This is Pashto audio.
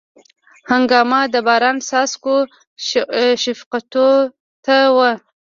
هنګامه د باران څاڅکو شفقت و